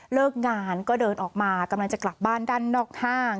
เลิกงานก็เดินออกมากำลังจะกลับบ้านด้านนอกห้าง